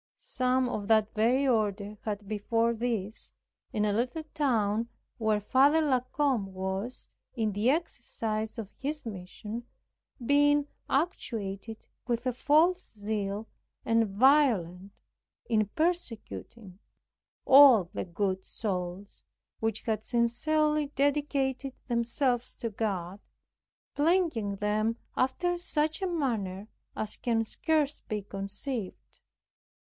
Some of that very order had before this, in a little town where Father La Combe was in the exercise of his mission, been actuated with a false zeal, and violent in persecuting all the good souls which had sincerely dedicated themselves to God, plaguing them after such a manner as can scarce be conceived.